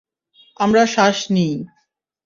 আমরা শ্বাস নিই।